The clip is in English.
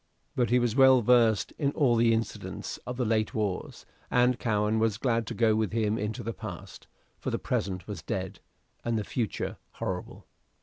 But he was well versed in all the incidents of the late wars, and Cowen was glad to go with him into the past; for the present was dead, and the future horrible.